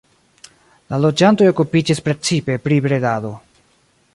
La loĝantoj okupiĝis precipe pri bredado.